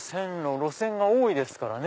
路線が多いですからね。